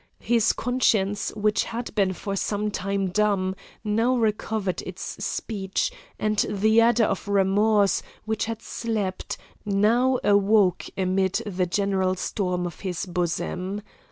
His conscience, which had been for some time dumb, now recovered its speech, and the adder of remorse, which had slept, now awoke amid the general storm of his bosom.